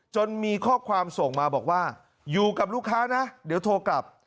มีข้อความส่งมาบอกว่าอยู่กับลูกค้านะเดี๋ยวโทรกลับ